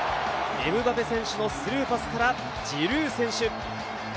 エムバペ選手のスルーパスからジルー選手。